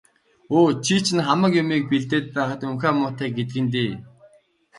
Өө, чи чинь хамаг юмыг нь бэлдээд байхад унхиа муутай гэдэг нь дээ.